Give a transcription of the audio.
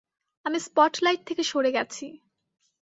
আমি স্পটলাইট থেকে সরে গেছি।